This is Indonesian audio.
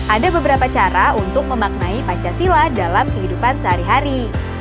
ada beberapa cara untuk memaknai pancasila dalam kehidupan sehari hari